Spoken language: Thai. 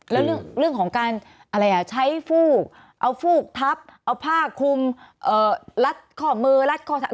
แล้วเรื่องของการใช้ฟูกเอาฟูกทับเอาผ้าคุมรัดข้อมือรัดข้อ๓